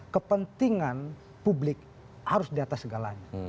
kepentingan publik harus di atas segalanya